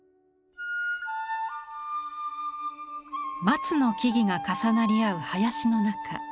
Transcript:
松の木々が重なり合う林の中。